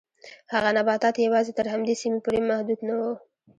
هغه نباتات یوازې تر همدې سیمې پورې محدود نه و.